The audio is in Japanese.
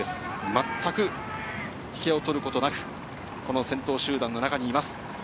まったく引けを取ることなく、この先頭集団の中にいます。